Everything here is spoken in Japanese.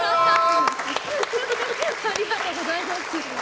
ありがとうございます。